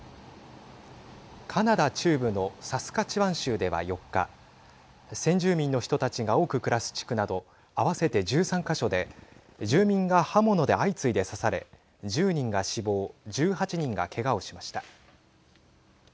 カナダ中部のサスカチワン州では、４日先住民の人たちが多く暮らす地区など合わせて１３か所で住民が刃物で相次いで刺され１０人が死亡１８人が、けがをしました。